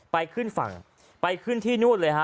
ไปขึ้นฝั่งไปขึ้นที่นู่นเลยฮะ